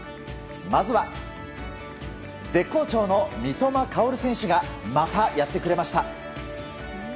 まずは、絶好調の三笘薫選手がまたやってくれました。